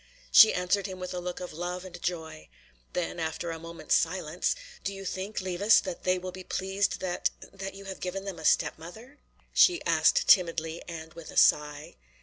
She answered him with a look of love and joy. Then after a moment's silence, "Do you think, Levis, that they will be pleased that that you have given them a step mother?" she asked timidly and with a sigh.